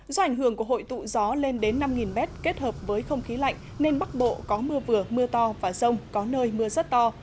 do ảnh hưởng của hội tụ gió lên đến năm m kết hợp với không khí lạnh nên bắc bộ có mưa vừa mưa to và rông có nơi mưa rất to